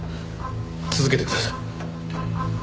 続けてください。